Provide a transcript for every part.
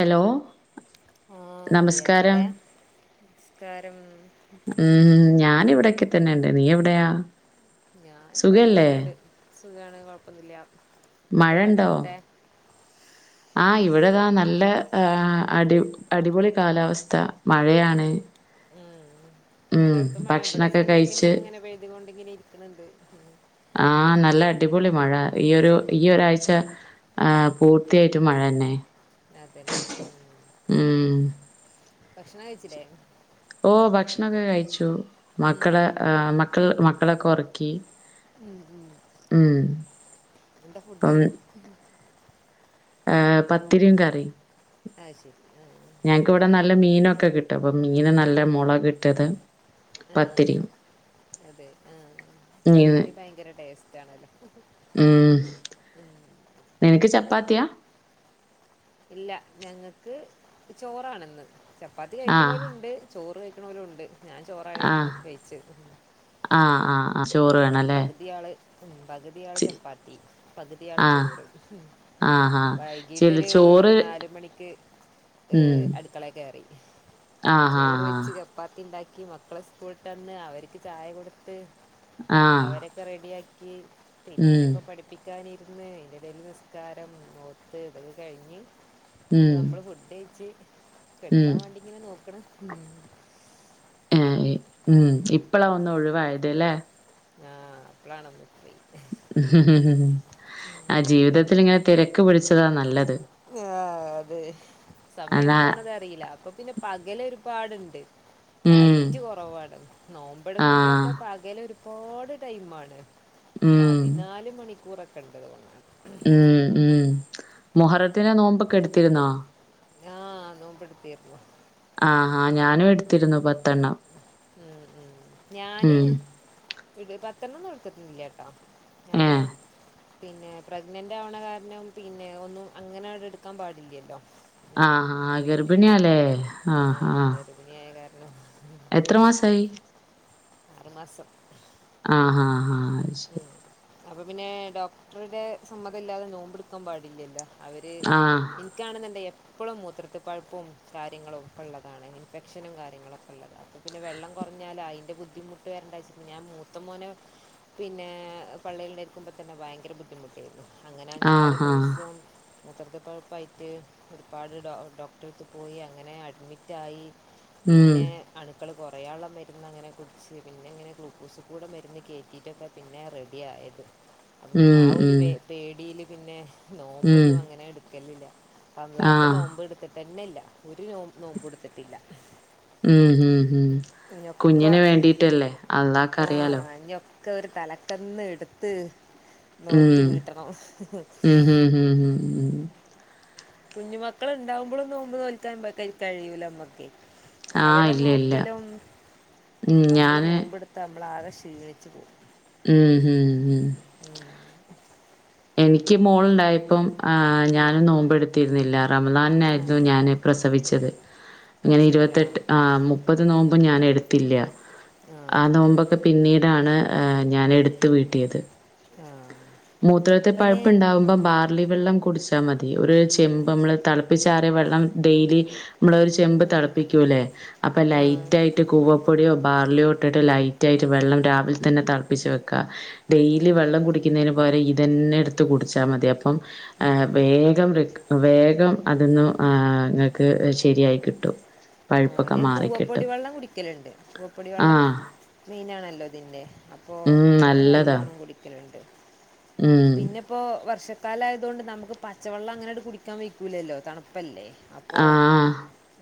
Hello ആഹ് നമസ്കാരം എവടെ നമസ്കാരം മ് ഞാന് ഇവിടൊക്കെ തന്നെ ഇണ്ട് നീ എവിടെയാ? ഞാനിതാ സുഖല്ലേ വീട്ടിലിണ്ട് സുഖാണ് കൊഴപ്പൊന്നില്ല മഴേണ്ടോ? ആ ഇവിടെതാ നല്ല ആ അടി അടിപൊളി കാലാവസ്ഥ മഴയാണ് എ ഉം എല്ലാടത്തും മഴേ ഇവിടെ ഭക്ഷണൊക്കെ സന്നം പിന്നം കഴിച്ച് ഇങ്ങനെ പെയ്തുംകൊണ്ട് ഇങ്ങനെരിക്കണ്ണ്ട് ആ നല്ല അടിപൊളി മഴ ഈ ഒരു ഈ ഒരാഴ്ച ആ പൂർത്തിയായിട്ടും മഴന്നെ ആ പിന്നെ ഉം ഭക്ഷണം കഴിച്ചിലെ ഓ ഭക്ഷണൊക്കെ കഴിച്ചു ഉം. മക്കളെ ആ മക്കൾ മക്കളൊക്കെ ഒറക്കി മ് മ് എന്താ ഫുഡ്? ആഹ് പത്തിരിം കറീം അത് ശരി ആ. ഞങ്ങക്ക് വിടെ പത്തിരി നല്ല മീനൊക്കെ കിട്ടും അപ്പൊ മീന് നല്ല മുളകിട്ടത് ആഹ് പത്തിരിയും അതെ ആഹ് മീന് പത്തിരി ഭയങ്കര ടേസ്റ്റ് ആണല്ലോ? ഉം ഇങ്ങക്ക് ചപ്പാത്തിയാ? ഇല്ല ഞങ്ങക്ക് ചോറാണ്ന്ന് ചപ്പാത്തി ആഹ് കഴിക്ക്ണോലും ഇണ്ട് ചോറ് കഴിക്ക്ണോലും ഉണ്ട് ഞാൻ ചോറാ കഴിക്കണത് കയിച്ചത് ആ ആ ആ ചോറ് വേണ്ട പകുതിയാള് ഉം പകുതിയാള് ചപ്പാത്തി പകുതിയാള് ആഹ് ചോറ് ആഹ് ആഹ് ചില വൈകീട്ടൊരു ചോറ് നാലുമണിക്ക് ഉം ഏഹ് അടുക്കളെ കേറി ആഹ് ആഹ് വച്ച് ചപ്പാത്തിണ്ടാക്കി മക്കള് സ്കൂള്ട്ടന്ന് അവർക്ക് ചായ കൊടുത്ത് ആഹ് ആഹ് അവരൊക്കെ റെഡിയാക്കി ഉം പിന്നെ ഇപ്പോ പഠി പ്പിക്കാനിരുന്ന് അയിന്റെടേല് നിസ്കാരം ഓത്ത് ഇതൊക്കെ കഴിഞ്ഞ് അ ഉം നമ്മള് ഫുഡ് കെയിച്ച് ഉം കെടക്കാൻ വേണ്ടിങ്ങനെ നോക്ക്ണ് [unintelligible] ഉം ഇപ്പളാ ഒന്ന് ഒഴിവായതലെ ആഹ് അപ്പളാണ് നമ്മക്ക് പോയി ആഹ് ജീവിതത്തിൽ ഇങ്ങനെ തിരക്ക് പിടിച്ചതാ നല്ലത് ആ അതെ സമയം അതാ പോണതറിയില്ല അപ്പൊ പിന്നെ പകല് ഒരുപാടുണ്ട് ഉം നൈറ്റ് കുറവാണ് നോമ്പ എടുക്കുമ്പോളോക്കെ ആഹ് പകലൊ പാട് ടൈമാണ് ഉം പതിനാല് മണിക്കൂറൊക്കെ ണ്ടത് കൊണ് ഉം ഉം മൊഹറത്തിനെ നോമ്പൊക്കെ എടുത്തിരുന്നാ ആഹ് നോമ്പ്ട്ത്തിർന്നു ആഹ് അഹ് ഞാനും എടുത്തിരുന്നു പത്തെണ്ണം ഉം ഉം ഞാന് ഉം ഇടത് പത്തെണ്ണ ടുത്തത്തിട്ടി ല്ലട്ടോ ഞാന് ഏഹ് പിന്നെ പ്രഗ്നന്റാവണ കാരണം പിന്നെ ഒന്നും അങ്ങനെട് എട്ക്കാൻ പാടില്ലല്ലോ ഉം, ആഹ് അപ്പൊ ആഹ് ഗർഭിണിയാല്ലേ ആഹ് ആഹ് യെ കാരണം എത്ര മാസായി ആറ് മാസം ആഹ് ആഹ് ആഹ് ശരി ഉം. അപ്പൊ പിന്നെ ഡോക്ടറുടെ സമ്മത ല്ലാതെ നോമ്പടുക്കാൻ പാടില്ലല്ലോ അവര് ആഹ് ഇൻ ക്കാണെന്ന്ണ്ടെ എപ്പോളും മൂത്രത്തി പഴുപ്പും കാര്യങ്ങളും ഒക്കെ ഉള്ളതാണ് ഇൻഫെക്ഷനും കാര്യങ്ങളൊക്കെ ഉള്ളതാ പിന്നെ വെള്ളം കുറഞ്ഞാ ല അയിന്റെ ബുദ്ധിമുട്ട് വരണ്ടാച്ട്ട് മൂത്ത മോന് പിന്നെ പള്ളീല്ണ്ടായിരി ക്കുമ്പ തന്നെ ഭയങ്കര ബുദ്ധിമുട്ടായിരുന്നു അങ്ങനെ അഞ്ചാറ് ആഹ് ആഹ് ദിവസവും മൂത്രത്തി പഴുപ്പായിട്ട് ഒരുപാട് ഡോക്ടറെടുത്ത് പോയി അങ്ങനെ അഡ്മിറ്റായി ഉം പിന്നെ അണുക്കള് കുറേയാള്ള മരുന്ന് അങ്ങനെ കുടിച്ച് പിന്നെ ഇങ്ങനെ ഗ്ലൂക്കൂസ്ക്കൂ ടെ മരുന്ന് കേ റ്റിട്ടൊക്കെ പിന്നെ റെഡി ആയത് അപ്പ പിന്നെ ഉം ആഹ് ഒരു ഉം പേ പേടിയിൽ പിന്നെ ഉം നോമ്പൊന്നും അങ്ങനെ എടുക്കലില്ല റമളാൻത്തെ ആഹ് നോമ്പ് എടു ട്ട് തെന്നെല്ലാ ഒരു നോമ്പും ഇട് ത്തിട്ടില്ല ഉംഉം ഉം ഞൊക്കെ കുഞ്ഞിന് വേണ്ടീട്ടല്ലേ അള്ളാക്ക് അറിയാലോ ക്കെ ഒരു തലക്കന്ന് ഇടുത്ത് ഉം നോറ്റ് വീട്ടണം ഉം ഉം ഉം ഉംഉം കുഞ്ഞു മക്കൾള് ണ്ടാവുമ്പോളൊന്നും നോമ്പ് നോൽക്കാൻ കഴിയൂല മ്മക്ക് ആഹ് അവരെ ഇല്ല ഇല്ല നോക്കലും ഉം നമ്മള് ഞാന് നോമ്പെടുത്തനമ്മളാകെ ക്ഷീണിച്ചു പോകും ഉം ഉം ഉം ഉം എനിക്ക് മോളുണ്ടായപ്പം ആഹ് ഉം. ഞാനും നോമ്പ് എടുത്തിരുന്നില്ല റമളാനി ആ നായിരുന്നു ഞാന് പ്രസവിച്ചത് അത് അങ്ങനെ ശരി ആ ഇരുപത്തെട്ട് ആഹ് മുപ്പത് നോമ്പും ഞാൻ എടുത്തില്ല ആ ആഹ് നോമ്പൊക്കെ പിന്നീടാണ് ഞാൻ എടുത്ത് വീട്ടിയത് ആഹ് മൂത്രത്തി പഴുപ്പുണ്ടാവുമ്പോ ബാ ലി വെള്ളം കുടിച്ച മതി ഒരു ചെമ്പ് മ്മള് തിളപ്പിച്ചാറിയ വെള്ളം ഡെയിലി മ്മളൊരു ച് ചെമ്പ് ഉം, തളപ്പിക്കൂല്ലേ അപ്പൊ ആ ലൈറ്റായി ഇട്ട് കൂവപ്പൊടിയോ ബാർലിയോ ഇട്ടിട്ട് ലൈറ്റ് ആയിട്ട് വെള്ളം രാവിലെ തന്നെ തളപ്പിച്ച് വെക്ക ഡെയിലി ഉം, വെള്ളം കുടിക്കുന്നതിന് പകരം ഇതെന്നെ എടുത്ത് കുടിച്ചാ മതി അപ്പം ആഹ് വേഗം റിക്ക വേഗം അതൊന്ന് ആഹ് നിങ്ങക്ക് ശരിയായി കിട്ടും [inaudible] ആഹ് ഞാൻ കൂവപ്പൊടി മാറിക്കിട്ടും. വെള്ളം കുടിക്കലുണ്ട് കൂവപ്പൊടി വള്ളം ആഹ് മെയിനാണല്ലോ ഇതിൻ്റെ അപ്പോ ഉം അത് നല്ലതാ. നല്ലോണം കുടിക്കലുണ്ട് ഉം പിന്നെ ഇപ്പോ വർഷക്കാല ആയ- തുകൊണ്ട് നമുക്ക് പച്ചവെള്ളം- അങ്ങനെട് കുടിക്കാൻ വെയ്ക്കൂലല്ലോ, തണുപ്പല്ലേ? അപ്പോ ആഹ്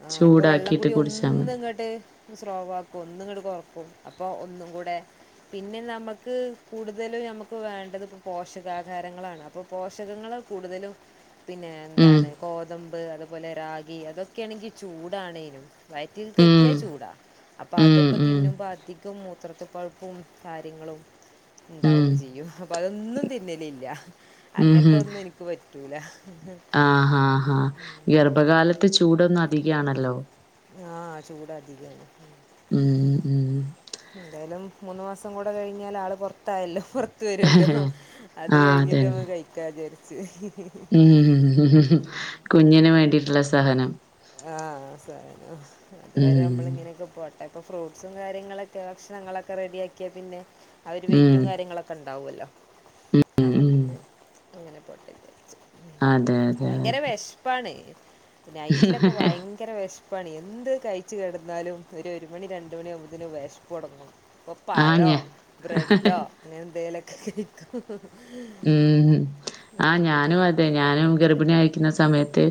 ആഹാ അപ്പോ ചൂടാക്കിയിട്ട് വെള്ളംകുടി കുടിച്ചാ മതി. ഒന്ന് ഇങ്ങട്ട്- സ്രോവാക്കും, ഒന്നുങ്ങട് കുറക്കും, അപ്പോ ഒന്നുംകുടെ- പിന്നെ നമുക്ക് കൂടുതല് നമുക്ക് വേണ്ടത്- പോഷകാഹാരങ്ങളാണ് അപ്പോൾ പോഷകങ്ങൾ കൂടുതലും പിന്നെ എന്താണ്? ഗോതമ്പു, അതുപോലെ രാഗി, അതൊക്കെയാണെങ്കിൽ ചൂടാണേ? വയറ്റിൽക്കെത്തിയ ചൂടാ. അപ്പോ അതൊക്കെ തിന്നുമ്പോ- അധികം മൂത്രത്തി പഴുപ്പും കാര്യങ്ങളും. ഉണ്ടാവും ചെയ്യും അപ്പോ അത്- ഒന്നും തിന്നലില്ല അങ്ങൻത്തെന്നും എനിക്ക് പറ്റൂല. ആഹാ ആഹാ ആഹാ ഗർഭകാലത്ത്- ചൂടൊന്നുധികാണല്ലോ. ആഹാ ചൂടാതിക. ഉം ഉ ഉം.. ന്തായാലും മൂന്ന് മാസം കൂടെ- കഴിഞ്ഞാൽ ആള് പൊർത്തായല്ലോ. പ്പ വരുല്ലോ അത് ആ കഴിഞ്ഞിട്ട്- അതന്നെ. കഴിക്കാ വിചാരിച്. ഉം ഉം കുഞ്ഞിന് വേണ്ടിയിട്ട്ള്ള സ്ഥലല്ലേ. ആഹ സാനം അതുവരെ മ്മ്. മ്മള്- ഇങ്ങനെക്കെ പോട്ടെ. അപ്പ ഫ്രൂട്ട്സും കാര്യങ്ങളൊക്കെ ഭക്ഷണ ങ്ങളൊക്കെ റെഡിയാക്കിയ, പിന്നെ ആഹാ ഒരു- വെയ്റ്റും മ്മ്. കാര്യങ്ങളൊക്കെ- ക്കൊണ്ടാവുല്ലോ മ്മ്. അപ്പ മ്മ്. പിന്നെ, അങ്ങനെ പോട്ടേ വച്ചു. അതെ, അതെ, ഭയങ്കര അതെ. വേഷപ്പാണ്, നൈറ്റിലൊക്കെ ഭയങ്കര- ഭയങ്കര വിശപ്പാണ് എന്ത് കഴിച്ചു, കിടന്നാലും ഒരു ഒരു മണി രണ്ട്- മണിവകുമ്പോത്തക് വെശപ്പ്ടങ്ങും. പ്പ ആ ഞ പഴോ, ബ്രെഡോ, അങ്ങനെ എന്തേലൊക്കെ കഴിക്കും. ഉം ആഹാ ഞാനും അതെ ഞാനും, ഗർഭിണി ആയിരിക്കുന്ന സമയത്ത്.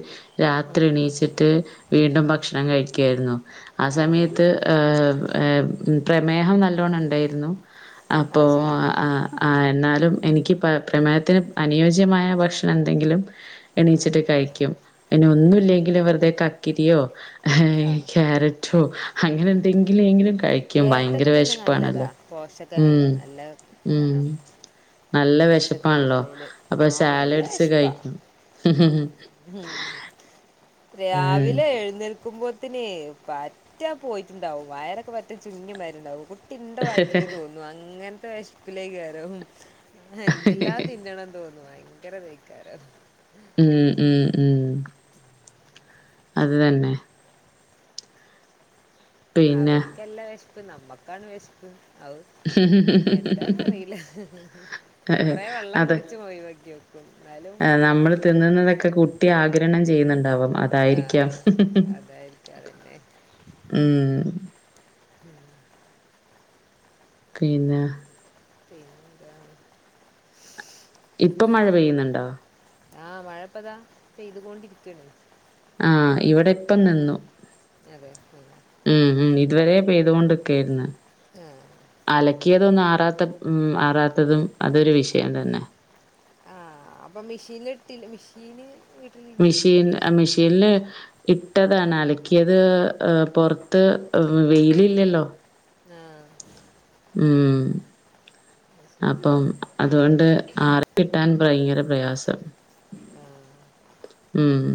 രാത്രി ഉം. എണീച്ചിട്ട് വീണ്ടും ഭക്ഷണം കഴിക്കായിരുന്നു. ആ സമയത്ത്.. പ്രമേഹം നല്ലോണണ്ടായിരുന്നു. അപ്പോ അത് ശരി ഉം. ആഹാ എന്നാലും എനിക്ക്- പ്പ പ്രമേയത്തിന് അനുയോജ്യമായ ഭക്ഷണന്തെങ്കിലും- എണീച്ചിട്ട് കഴിക്കും. ഇനി ഉം. ഒന്നുല്ലെങ്കിലും വെറുതെ കക്കിരിയോ. ആ ഏഹ് ക്യാരറ്റോ, ഉം. അങ്ങനെന്തെങ്കിലും കഴിക്കും. ഭയങ്കര വിശഷപ്പാണല്ലോ. [unintelligible] ഷക്കങ്ങളല്ലേ നല്ല വേണം. നല്ല വിശപ്പാണല്ലോ പച്ചക്കറികളിൽ ആ അപ്പോ- നല്ല സാലഡ്സ് കഴിക്കും ഉം... ഉം... ഉം രാവിലെ എഴുന്നേൽക്കുമ്പോ- ത്തിന് പറ്റ പോയിട്ടുണ്ടാവും, വയറൊക്കെ പറ്റ ചുങ്ങിമാരിണ്ടാവും കുട്ടി ഉണ്ടോ വയറ്റില് തോന്നുന്നു. അങ്ങൻത്തെ വെശപ്പിലേക്ക് വരും എന്തെല്ലാം തിന്നണം തോന്നും. ഭയങ്കര വയിക്കാര. ഉം ഉം ഉം.... അതു തന്നെ. പിന്നെ അവർക്കല്ല വിശപ്പ് നമ്മക്കാണ് വിശപ്പ്. ഔ എന്താന്നറിയില്ല. കുറെ വെള്ളം അത് കുടിച്ച് പോയിവക്കി വെക്കും ന്നാലും നമ്മൾ മാറില. തിന്നുന്നതൊക്കെ കുട്ടി ആഗിരണം ചെയ്യുന്നുണ്ടവും അതായിരിക്കാം. അതായിരിക്കും അതന്നെ ഉം.... പിന്നെ... ശരി ജയ [unintelligible] ഇപ്പം മഴ പെയ്യുന്നുണ്ടോ? ആഹാ മഴപ്പതാ- പെയ്തുകൊണ്ടിരിക്കണ്. ആഹാ ഇവിടെപ്പം നിന്നു. അതെ ഉം. ഉം.. ഉം... ഇതുവരെ പെയ്തുകൊണ്ടക്കായിരുന്നു. ആഹാ... അലക്കിയതൊന്നും, ആറാത്ത ഉം.. ആറാത്തതും അതൊരു വിഷയം തന്നെ. ആ അപ്പം മിഷീൻല് ഇട്ടില്ലേ മിഷീൻല് മെഷീൻ മെഷീൻൽ ഇട്ടതാണ് അലക്കിയത് പൊർത് പൊർത് വെയിൽ ഇല്ലല്ലോ. ആഹ്. ആഹ്. ശരി അപ്പം അതുകൊണ്ട് ആറികിട്ടാൻ ഭയങ്കര പ്രയാസാണ്. ആഹ്. ആഹ്.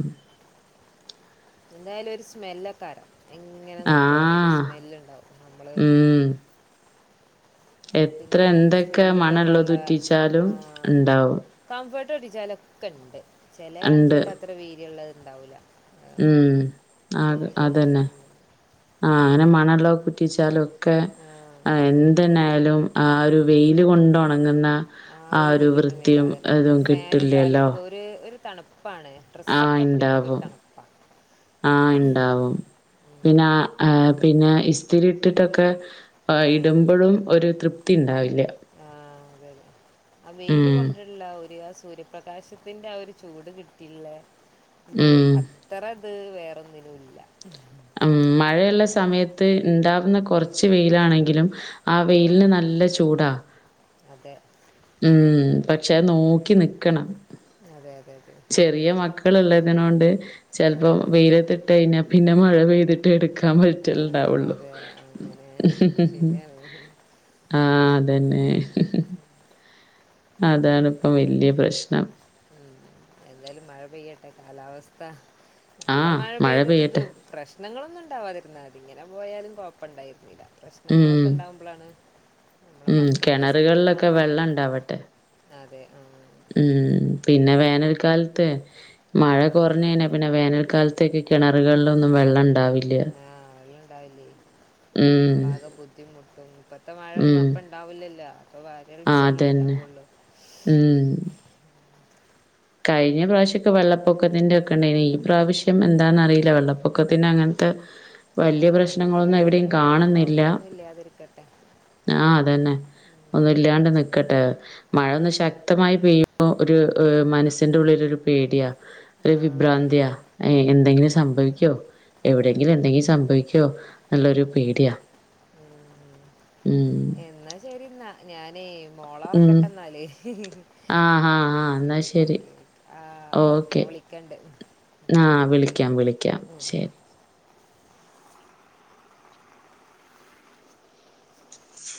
എന്തായാലൊരു സ്മെല്ലക്കാണും എങ്ങനെ നോക്കിയാലൊരു സ്മെല്ലുണ്ടാവും നമ്മള് ആഹ് എത്ര പിന്നെ എന്തൊക്കെ സ്മെല്ല് പോവാള്ള മണള്ളത് ഉറ്റിച്ചാലും ആഹ് ഇണ്ടാവും. കംഫർട്ട് തൊട്ട് ഉജലയോക്കെണ്ട് ചെല ഇണ്ട്. കംഫർട്ട് അത്ര വീര്യുള്ളത് ഉണ്ടാവുല്ല. ഉം അഹ് അതന്നെ, വെച്ചിട്ടാണ് ആ അങ്ങനെ മണം ഒള്ളക്കെ കൂറ്റി ഒയിച്ചാല്ലോ? ഒക്കെ ആഹ് എന്തെന്നായാലും ആ ഒരു വെയില് കൊണ്ടുണങ്ങുന്ന ആ ഒരു വൃത്തിയും എതും കിട്ടില്ലല്ലോ. അത് ഒരു തണുപ്പാണ്. ആഹ് ഡ്രസ്സൊക്കെ പിടിക്കുമ്പോ ഒരു ഇണ്ടാവും തണുപ്പാ ആഹ് ഇണ്ടാവും. പിന്നാ പിന്നെ ഇസ്തിരിട്ടിട്ടൊക്കെ ആ ആഹ് ഇടുമ്പോഴും ഒരു തൃപ് ത്തിണ്ടാവില്ല. ആഹ് അതന്നെ ആ വെയില് ഉം കൊണ്ടുള്ളോരു ആ സൂര്യ പ്രകാശത്തിന്റെ ആ ഒരു ചൂട് കിട്ടില്ല ഇത് ഉം അത്ര ത് വേറൊന്നിനൂല്ല. ഉം മഴയുള്ള സമയത്ത് ഇണ്ടാവുന്ന കൊറച്ച് വെയിലാണെങ്കിലും ആഹ് വെയില്ന് നല്ല ചൂടാ. അതെ ഉം പക്ഷെ നോക്കി നിക്കണം. അതെ അതെ അതെ. ചെറിയ മക്കള് ഉള്ളതിനോണ്ട് ചെല്‌പോ ആഹ് വെയിലത്തിട്ടഴിഞ്ഞാ പിന്നെ മഴ പെയ്തിട്ട് എടുക്കാൻ പറ്റല് ആഹ് ഇണ്ടാവുള്ളു അതെ അങ്ങനെ ഇഹ് ഇഹ്. ശരിയാണ് ആഹ് അതന്നെ. അതാണ് ഇപ്പോ വെല്ല്യ പ്രശ്നം. ഉം എന്തായാലും മഴ പെയ്യട്ടെ, കാലാവസ്ഥ നല്ല ആഹ് മഴ പെയ്തിട്ടിത്. പെയ്യട്ടെ. പ്രശ്നങ്ങളൊന്നുണ്ടാവാതിരുന്നാതി ഇങ്ങനെ പോയാലും കൊഴപ്പം ഇണ്ടായിരുന്നില്ല. ഉം. പ്രശ്നങ്ങളൊക്കെ ഇണ്ടാവുമ്പളാണ് നമ്മളെ ഉം. മക്കൾക്ക് സ്കൂളിൽ കെണറുകളിലൊക്കെ പോണതും അതെ ആഹ്. മം പിന്നെ വേനൽക്കാലത്തെ ആ മഴ കുറഞ്ഞഴിഞ്ഞാ പിന്നെ വേനൽക്കാല്ത്തേക്ക് കിണറുകളിലൊന്നും വെള്ളണ്ടാവി ആഹ് വെള്ളണ്ടാവില്ലേ, ഉം. നമ്മളാകെ ബുദ്ധിമുട്ടും. ഇപ്പത്തെ മഴൊന്നും ഉം. അപ്പണ്ട് ഉണ്ടാവില്ലല്ലോ അപ്പൊ വരൾച്ചല്ലേ ഉണ്ടാവൊള്ളൂ. ഉഹ്. കഴിഞ്ഞ പ്രാവശ്യക്കെ വെള്ളപ്പൊക്കത്തിന്റെ ഒക്കെ ഉണ്ടെയ്നി ഈ പ്രാവശ്യം എന്താന്നറിയില്ല വെള്ളപ്പൊക്കത്തിന്നങ്ങനത്തൊ ആ വെല്ല്യ ഒന്നും പ്രശ്നങ്ങളൊന്നും എവിടെയും കേൾക്കണില്ല കാണുന്നില്ല. കുഴപ്പമൊന്നും ഇല്ലാതിരിക്കട്ടെ ആഹ് അതന്നെ. ഒന്നില്ലാണ്ട് നിക്കട്ടെ മഴൊന്ന് ശക്തമായി പെയ്യുമ്പോ ഒരു ആ മനസ് മനസിന്റെ ഉള്ളിലൊരു പേടിയാ ഒരു ആ വിഭ്രാന്തിയാ പേര് ഏ എന്തെങ്കിലും സംഭവിക്കോ. എവിടെയെങ്കിലും എന്തെങ്കിലും സംഭവിക്കോ എന്നൊള്ളൊരു പേടിയാ. ഉം എന്നാ ശരിന്നാ ഞാനേ മോളേ ഉം ഒറക്കട്ടെ എന്നാൽ ഇഹ്. ആഹ് ആഹ് ആഹ് എന്നാ ശരി. ആഹ് ഓക്കെ വിളിക്കണ്ട്. ആ വിളിക്കാം വിളിക്കാം ശരി.